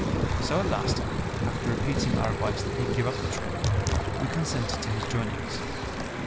So at last, after repeating our advice that he give up the trip, we consented to his joining us.